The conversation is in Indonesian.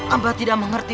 amba tidak mengerti